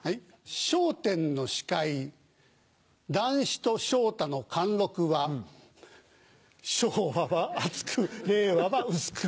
『笑点』の司会談志と昇太の貫禄は昭和は厚く令和は薄く。